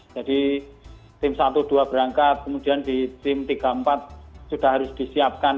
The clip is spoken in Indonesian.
jadi tim satu dua berangkat kemudian di tim tiga empat sudah harus disiapkan